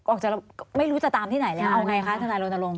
ออกจากระบบไม่รู้จะตามที่ไหนเนี่ยเอาไงคะธนาลงรม